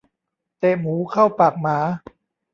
เตะหมูเข้าปากหมา